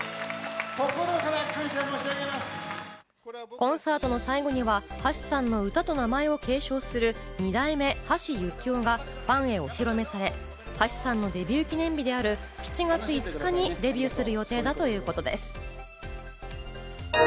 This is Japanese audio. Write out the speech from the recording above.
コンサートの最後には、橋さんの歌と名前を継承する二代目・橋幸夫がファンヘお披露目され、橋さんのデビュー記念日である７月５日にデビューする予定だということです。